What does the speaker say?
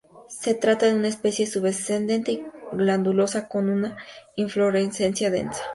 Se trata de una especie pubescente y glandulosa, Con una Inflorescencia densa.